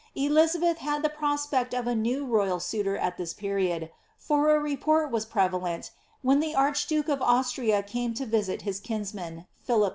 Elizabeth had the prospect of a new royal suitor at this period, for a report was prevalent, when the archduke of Austria came to visit his kinsman, Philip H.